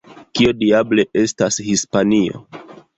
Kio diable estas Hispanio?